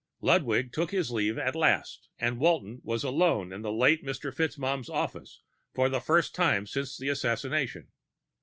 Ludwig took his leave at last, and Walton was alone in the late Mr. FitzMaugham's office for the first time since the assassination.